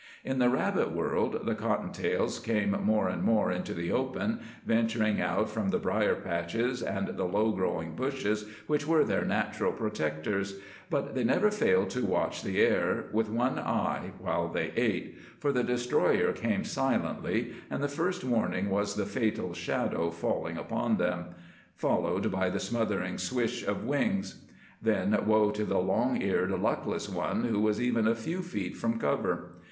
In the rabbit world the cotton tails came more and more into the open, venturing out from the brier patches and the low growing bushes which were their natural protectors; but they never failed to watch the air with one eye while they ate, for the destroyer came silently, and the first warning was the fatal shadow falling upon them, followed by the smothering swish of wings. Then woe to the long eared luckless one who was even a few feet from cover.